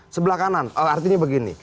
sebelah kanan artinya begini